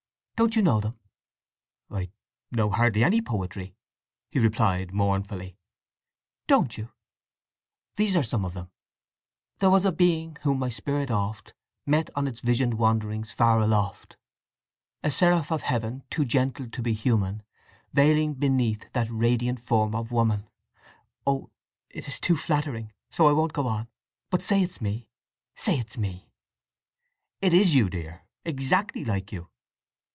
"Don't you know them?" "I know hardly any poetry," he replied mournfully. "Don't you? These are some of them: There was a Being whom my spirit oft Met on its visioned wanderings far aloft. A seraph of Heaven, too gentle to be human, Veiling beneath that radiant form of woman… Oh it is too flattering, so I won't go on! But say it's me! Say it's me!" "It is you, dear; exactly like you!"